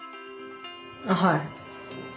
はい。